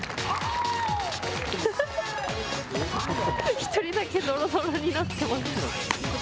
１人だけどろどろになってます。